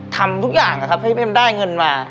ทำทุกอย่างนะครับให้มันได้เงินมา